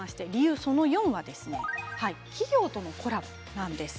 その４が企業とのコラボなんです。